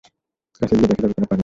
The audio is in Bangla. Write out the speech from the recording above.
কাছে গিয়ে দেখা যাবে কোনও পানি নেই।